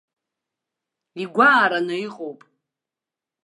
Игәаараны иҟоуп!